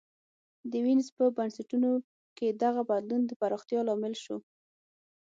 د وینز په بنسټونو کې دغه بدلون د پراختیا لامل شو